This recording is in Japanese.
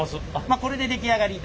まあこれで出来上がり。